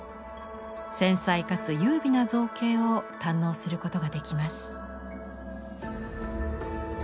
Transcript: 繊細かつ優美な造形を堪能することができます。